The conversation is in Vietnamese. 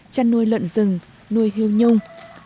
chăn nuôi luận rừng nuôi hưu nhung